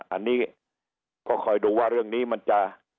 อันนี้ก็คอยดูว่าเรื่องนี้มันจะ